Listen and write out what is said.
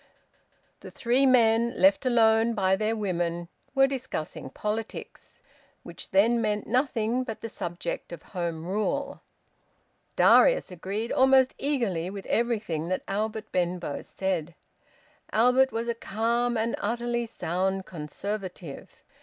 The three men, left alone by their women, were discussing politics, which then meant nothing but the subject of Home Rule. Darius agreed almost eagerly with everything that Albert Benbow said. Albert was a calm and utterly sound Conservative.